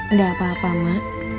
enggak apa apa mak